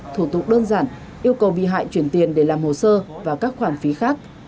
thủ tục đơn giản yêu cầu bị hại chuyển tiền để làm hồ sơ vào các khoản phí khác